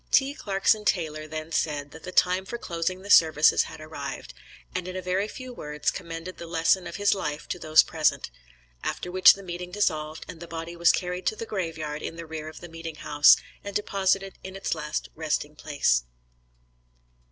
T. Clarkson Taylor then said, that the time for closing the services had arrived, and in a very few words commended the lesson of his life to those present, after which the meeting dissolved, and the body was carried to the grave yard in the rear of the meeting house, and deposited in its last resting place.